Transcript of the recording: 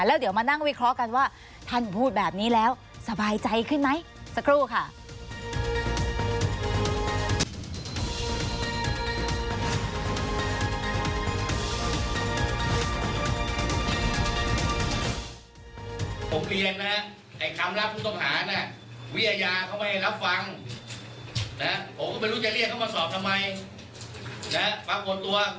แล้วเดี๋ยวมานั่งวิเคราะห์กันว่าท่านพูดแบบนี้แล้วสบายใจขึ้นไหมสักครู่ค่ะ